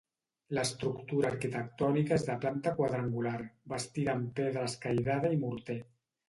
L'estructura arquitectònica és de planta quadrangular, bastida amb pedra escairada i morter.